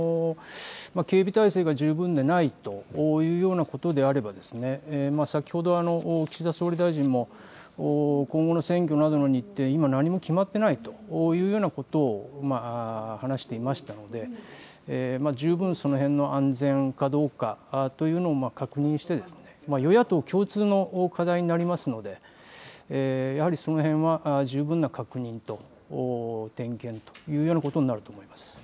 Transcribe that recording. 警備体制が十分でないというようなことであれば先ほど岸田総理大臣も今後の選挙のあとの日程、今、何も決まっていないというようなことを話していましたので十分、その辺の安全かどうかというのを確認して与野党共通の課題になりますのでやはりその辺は十分な確認と点検というようなことになると思います。